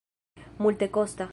multekosta